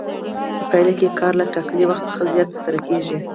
په پایله کې کار له ټاکلي وخت څخه زیات ترسره کېږي